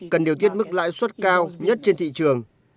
cần điều tiết mức lãi suất cao nhất trên thị trường